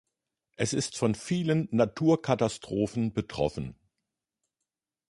Es ist von vielen Naturkatastrophen betroffen.